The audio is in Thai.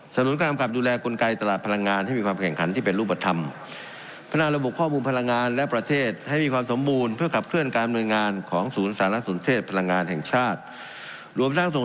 สนุนการอำกับดูแลกลุ่นกายตลาดพลังงาน